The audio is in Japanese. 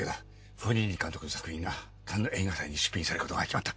フォニーニ監督の作品がカンヌ映画祭に出品されることが決まった！